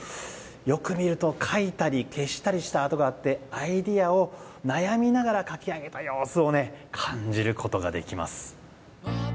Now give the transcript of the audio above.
よく見ると書いたり消したりした跡があってアイデアを悩みながら書き上げた様子を感じることができます。